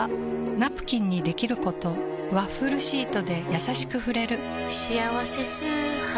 ナプキンにできることワッフルシートでやさしく触れる「しあわせ素肌」